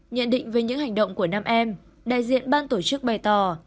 nhận định về những hành động của nam em đại diện ban tổ chức bày tỏ